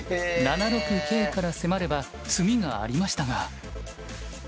７六桂から迫れば詰みがありましたが。